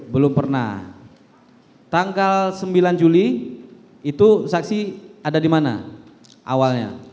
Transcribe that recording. belum pernah tanggal sembilan juli itu saksi ada di mana awalnya